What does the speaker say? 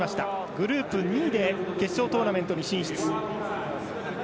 グループ２位で決勝トーナメントに進出。